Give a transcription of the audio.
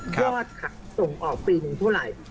ยอดส่งออกปีหนึ่งเท่าไหร่